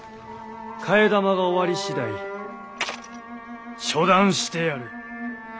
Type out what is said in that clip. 替え玉が終わり次第処断してやる。